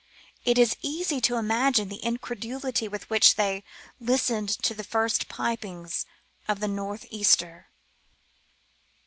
It is easy to imagine the incredulity with which they listened to the first pipings of the north easter.